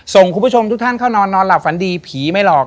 คุณผู้ชมทุกท่านเข้านอนนอนหลับฝันดีผีไม่หลอก